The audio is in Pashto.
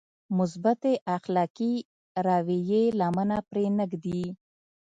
مثبتې اخلاقي رويې لمنه پرې نهږدي.